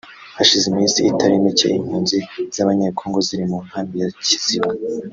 Hashize iminsi itari mike impunzi z’abanye Kongo ziri mu nkambi ya Kiziba